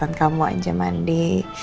penggal nyuruhnya péri